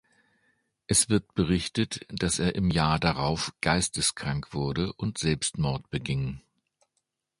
Es wird berichtet, dass er im Jahr darauf geisteskrank wurde und Selbstmord beging.